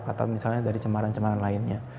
atau misalnya dari cemaran cemaran lainnya